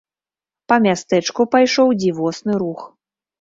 Па мястэчку пайшоў дзівосны рух.